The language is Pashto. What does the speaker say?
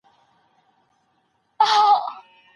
خامکي کالي ارزان نه دي.